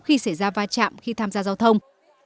khi xảy ra va chạm khi tham gia giao thông